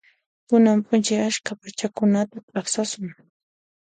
Kunan p'unchay askha p'achakunata t'aqsasun.